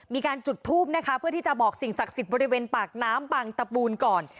มีการจุดทูปนะคะเพื่อที่จะบอกสิ่งศักดิ์สิทธิ์บริเวณปากน้ำบางตะปูนก่อน